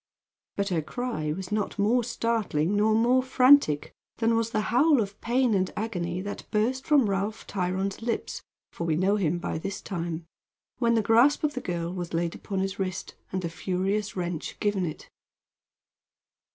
But her cry was not more startling nor more frantic than was the howl of pain and agony that burst from Ralph Tryon's lips for we know him by this time when the grasp of the girl was laid upon his wrist, and the furious wrench given it.